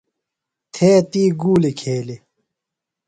تھے تی گولی کھیلی۔